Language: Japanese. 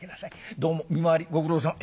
どうも見回りご苦労さん」。